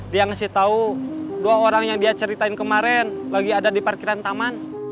dia ngasih tahu dua orang yang dia ceritain kemarin lagi ada di parkiran taman